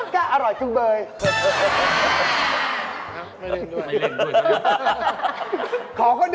ก็อร่อยทุกเบย